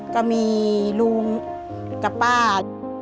ก็มีรุ่นกับป้า